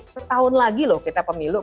setahun lagi loh kita pemilu